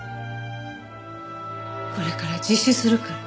これから自首するから。